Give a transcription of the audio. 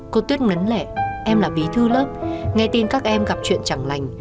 cô tuyết nấn lẻ em là bí thư lớp nghe tin các em gặp chuyện chẳng lành